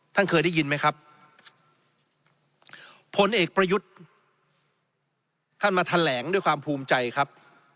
ท่านเคยได้ยินไหมครับผลเอกประยุทธ์ท่านมาแถลงด้วยความภูมิใจครับ